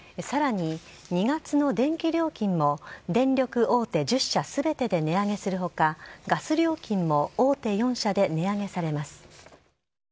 さらに２月の電気料金も電力大手１０社すべてで値上げするほか、ガス料金も大手４社で値上げされます。